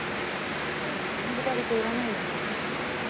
この左手いらないよね